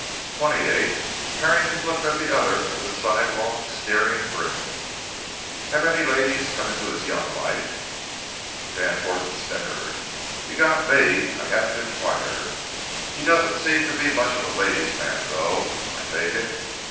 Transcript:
"Twenty eight." Carrington looked at the other with a sidelong, sneering grin: "Have any ladies come into his young life?" Danforth snickered. "You've got me—I hadn't inquired. He doesn't seem to be much of a ladies' man, though, I take it.